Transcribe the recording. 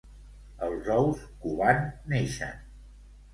Els ous covant neixen.